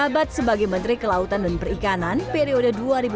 bagi menteri kelautan dan perikanan periode dua ribu empat belas dua ribu sembilan belas